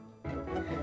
atau enggak ekra